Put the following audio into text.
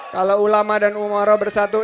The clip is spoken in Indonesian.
kalau ulama dan umaroh bersatu